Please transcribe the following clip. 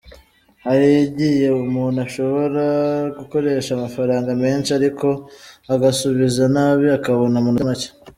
Hari igiye umuntu ashobora gukoresha amafaranga menshi ariko agasubiza nabi akabona amanota make.